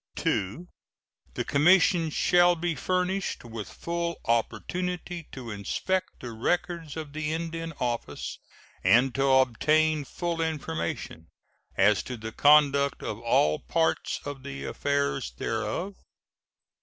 2. The commission shall be furnished with full opportunity to inspect the records of the Indian Office and to obtain full information as to the conduct of all parts of the affairs thereof.